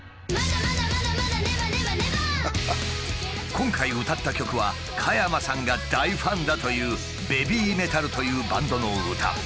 今回歌った曲は加山さんが大ファンだというＢＡＢＹＭＥＴＡＬというバンドの歌。